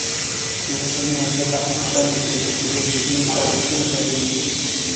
له اوسني وضعیته اوښتل له فکري او ذهني اوښتون پیلېږي.